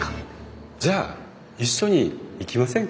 じゃあ一緒に行きませんか。